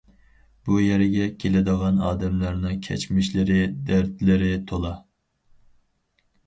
بۇ يەرگە كېلىدىغان ئادەملەرنىڭ كەچمىشلىرى، دەردلىرى تولا.